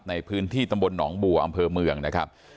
ในพื้นที่ตำบลหนองบัวอำเภอเมืองนะครับ